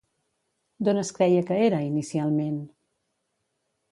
D'on es creia que era, inicialment?